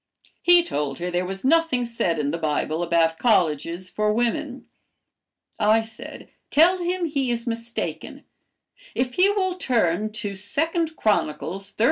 He told her there was nothing said in the Bible about colleges for women. I said, 'Tell him he is mistaken. If he will turn to 2 'Chron. xxxiv.